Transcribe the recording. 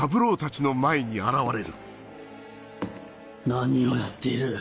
何をやっている？